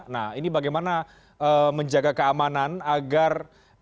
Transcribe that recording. nah ini bagaimana menjaga keamanan agar